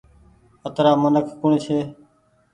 اترآ منک ڪوڻ ڇي۔